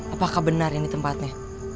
apakah benar ini tempatnya